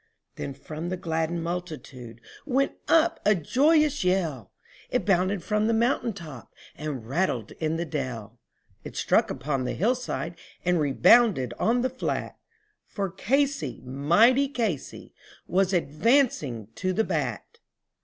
Then from the gladdened multitude went up a joyous yell, It bounded from the mountain top and rattled in the dell, It struck upon the hillside, and rebounded on the flat, For Casey, mighty Casey, was advancing to the bat.